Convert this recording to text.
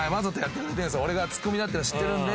俺がツッコミだって知ってるんで。